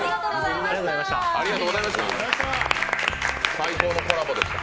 最高のコラボでした。